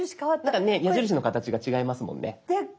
なんかね矢印の形が違いますもんね。